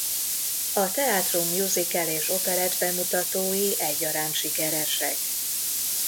A teátrum musical- és operett-bemutatói egyaránt sikeresek.